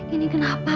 ini kenapa pak